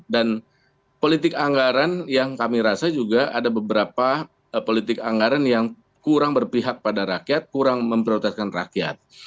dan politik anggaran yang kami rasa juga ada beberapa politik anggaran yang kurang berpihak pada rakyat kurang memprioritaskan rakyat